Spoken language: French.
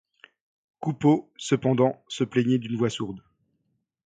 Coupeau, cependant, se plaignait d'une voix sourde.